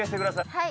はい。